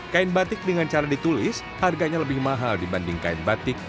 kain batik dengan cara ditulis harganya lebih mahal dibanding kain batik